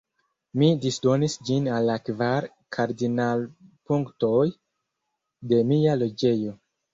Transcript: Mi disdonis ĝin al la kvar kardinalpunktoj de mia loĝejo.